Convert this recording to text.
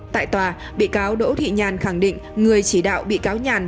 tại tòa bị cáo đỗ thị nhàn khẳng định người chỉ đạo bị cáo nhàn